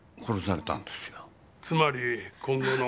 つまり今後の。